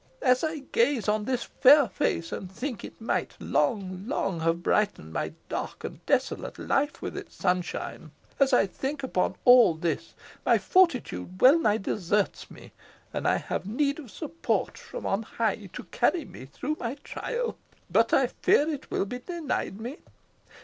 As I gaze on this fair face, and think it might long, long have brightened my dark and desolate life with its sunshine as I think upon all this, my fortitude wellnigh deserts me, and I have need of support from on high to carry me through my trial. But I fear it will be denied me.